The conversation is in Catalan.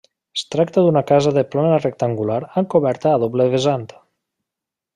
Es tracta d'una casa de planta rectangular amb coberta a doble vessant.